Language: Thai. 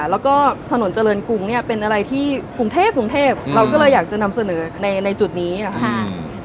แล้วก็ถนนเจริญกุงเป็นอะไรที่กรุงเทพเราก็เลยอยากจะนำเสนอในจุดนี้นะคะ